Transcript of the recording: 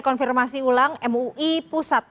konfirmasi ulang mui pusat